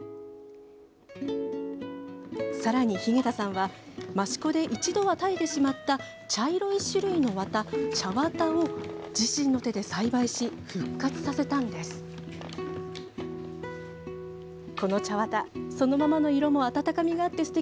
さらに日下田さんは益子で一度は絶えてしまった茶色い種類の綿、茶綿を自身の手で栽培し復活させました。